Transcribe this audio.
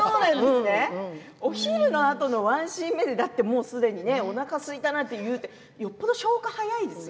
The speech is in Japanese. お昼のあとのワンシーン目ですでにおなかがすいたなって言ってよっぽど消化が早いですよ。